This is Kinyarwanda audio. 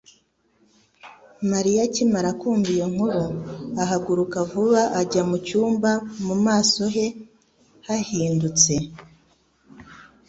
Mariya akimara kumva iyo nkuru ahaguruka vuba ava mu cyumba mu maso he hahindutse.